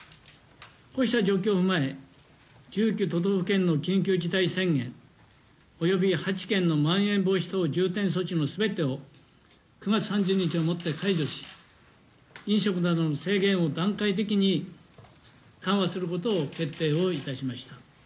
こうした状況を踏まえ、１９都道府県の緊急事態宣言、及び８県のまん延防止等重点措置の全てを９月３０日をもって解除し飲食などの制限を段階的に緩和することを決定をいたしました。